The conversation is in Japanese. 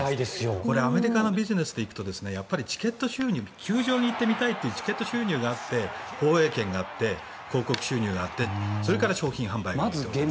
アメリカのビジネスで言うとやっぱり、チケット収入球場に行ってみたいというチケット収入があって放映権があって広告収入があってそれから商品販売があって。